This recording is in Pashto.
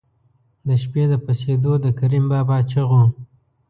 د شپې د پسېدو د کریم بابا چغو.